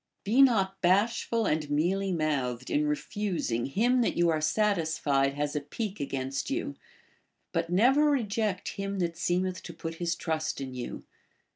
* Be not bashful and mealy mouthed in refusing him that you are satisfied has a pique against you ; but never reject him that seemeth to put his trust in you.